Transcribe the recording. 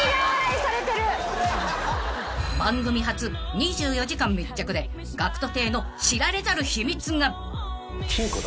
［番組初２４時間密着でＧＡＣＫＴ邸の知られざる秘密が］